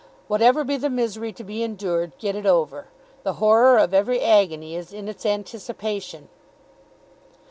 Whatever be the misery to be endured, get it over. The horror of every agony is in its anticipation.